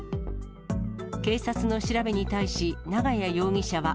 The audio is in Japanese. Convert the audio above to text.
警察の調べに対し、永谷容疑者は。